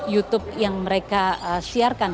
youtube yang mereka siarkan